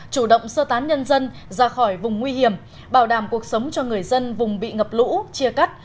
chủ động sơ tán nhân dân ra khỏi vùng nguy hiểm bảo đảm cuộc sống cho người dân vùng bị ngập lũ chia cắt